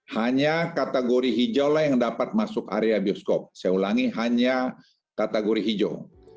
hanya kategori hijau yang dapat masuk area bioskop saya ulangi hanya kategori hijau